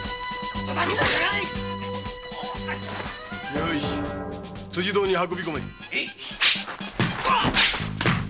よし辻堂に運びこめ。